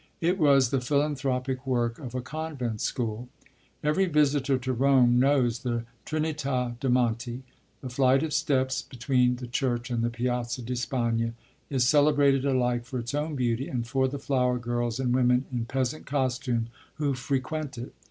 It was the philanthropic work of a Convent School. Every visitor to Rome knows the Trinità de' Monti. The flight of steps between the church and the Piazza di Spagna is celebrated alike for its own beauty and for the flower girls and women in peasant costume who frequent it.